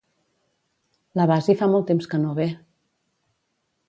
La Basi fa molt temps que no ve